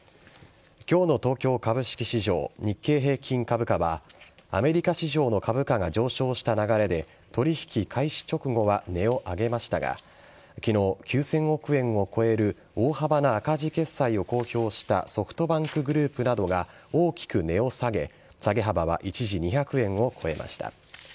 今日の東京株式市場日経平均株価はアメリカ市場の株価が上昇した流れで取引開始直後は値を上げましたが昨日９０００億円を超える大幅な赤字決算を公表したソフトバンクグループなどが大きく値を下げ下げ幅は一時２００円を超えました。